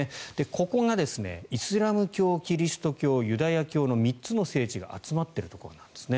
ここがイスラム教キリスト教、ユダヤ教３つの聖地が集まっているところなんですね。